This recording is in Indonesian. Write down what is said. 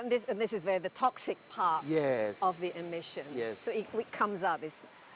ini adalah bagian yang beracun dari emisi